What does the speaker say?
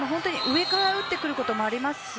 上から打ってくることもあります